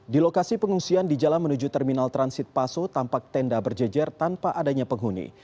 di lokasi pengungsian di jalan menuju terminal transit paso tampak tenda berjejer tanpa adanya penghuni